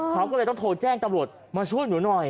เขาก็เลยต้องโทรแจ้งตำรวจมาช่วยหนูหน่อย